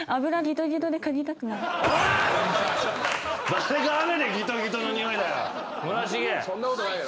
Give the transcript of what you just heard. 誰がギトギトのにおいだよ。